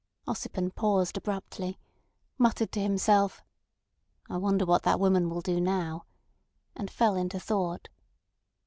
Ossipon paused abruptly, muttered to himself "I wonder what that woman will do now?" and fell into thought.